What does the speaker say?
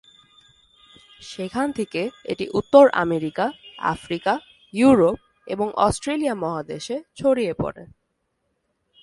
সেখান থেকে এটি উত্তর আমেরিকা, আফ্রিকা, ইউরোপ এবং অস্ট্রেলিয়া মহাদেশে ছড়িয়ে পড়ে।